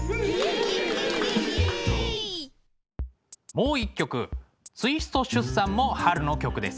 もう一曲「ツイスト出産」も春の曲です。